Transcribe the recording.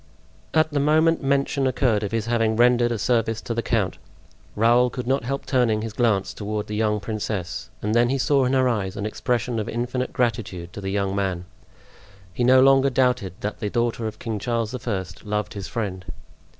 At the moment mention occurred of his having rendered a service to the count, Raoul could not help turning his glance toward the young princess, and then he saw in her eyes an expression of infinite gratitude to the young man; he no longer doubted that the daughter of King Charles I. loved his friend.